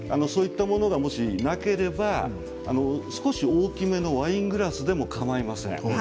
そういったものが、もしなければ少し大きめのワイングラスでもかまいません。